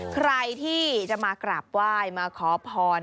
ใครที่จะมากราบไหว้มาขอพร